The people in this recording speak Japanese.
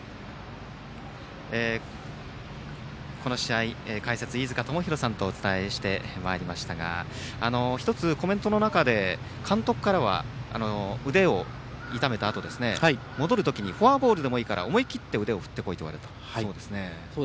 この試合、解説の飯塚智広さんとお伝えしてまいりましたが１つ、コメントの中で監督からは腕を痛めたあと、戻る時にフォアボールでもいいから思い切って腕を振ってこいと言われたそうですね。